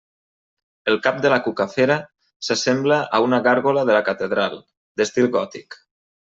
El cap de la cucafera s'assembla a una gàrgola de la Catedral, d'estil gòtic.